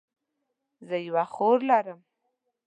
زه یوه خور لرم